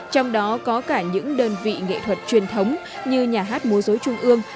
trong đó có cả những đơn vị nghệ thuật truyền thống như nhà hát múa rối trung ương